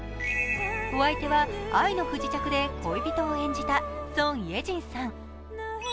お相手は「愛の不時着」で恋人を演じたソン・イェジンさん。